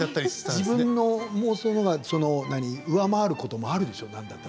自分の妄想は上回ることもあるでしょう？